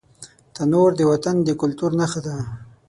تنور د وطن د کلتور نښه ده